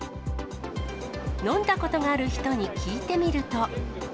飲んだことがある人に聞いてみると。